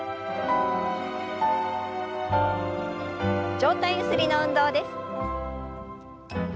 上体ゆすりの運動です。